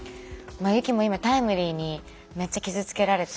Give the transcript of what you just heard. ゆきも今タイムリーにめっちゃ傷つけられて。